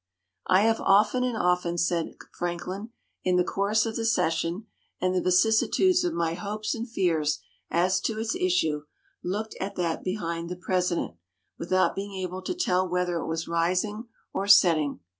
"I have often and often," said Franklin, "in the course of the session and the vicissitudes of my hopes and fears as to its issue, looked at that behind the President, without being able to tell whether it was rising or setting.